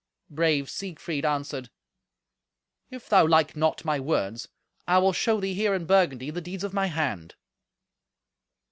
Brave Siegfried answered, "If thou like not my words, I will show thee here, in Burgundy, the deeds of my hand."